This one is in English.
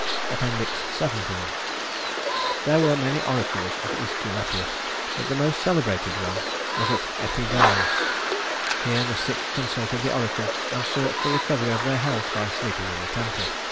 XVII There were many oracles of Æsculapius, but the most celebrated one was at Epidaurus. Here the sick consulted the oracle and sought the recovery of their health by sleeping in the temple.